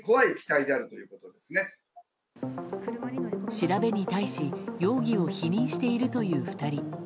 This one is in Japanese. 調べに対し容疑を否認しているという２人。